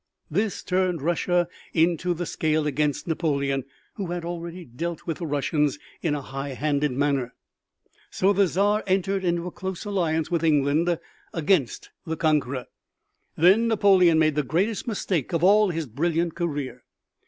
This turned Russia into the scale against Napoleon, who had already dealt with the Russians in a high handed manner. So the Czar entered into a close alliance with England against the conqueror. Then Napoleon made the greatest mistake of all his brilliant career.